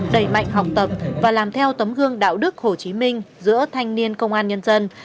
đẩy mạnh học tập và làm theo tấm gương đạo đức hồ chí minh giữa thanh niên công an nhân dân